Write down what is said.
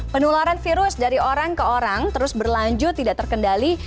penularan virus dari orang ke orang terus berlanjut tidak terkendali